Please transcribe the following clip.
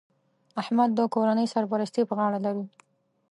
احمد د کورنۍ سرپرستي په غاړه لري